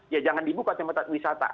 ya jangan dibuka tempat tempat wisata